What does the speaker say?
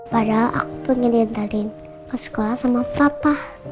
padahal aku pengen diantarin ke sekolah sama papa